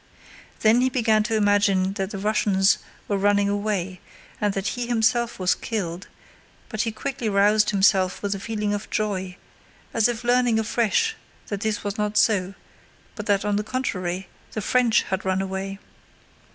Then he began to imagine that the Russians were running away and that he himself was killed, but he quickly roused himself with a feeling of joy, as if learning afresh that this was not so but that on the contrary the French had run away.